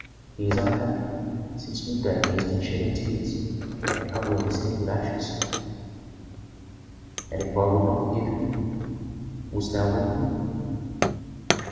He is unhappy; since midday he has been shedding tears and covering his head with ashes." "And if I would not forgive him, wouldst thou leave me?"